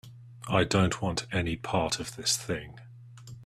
I don't want any part of this thing.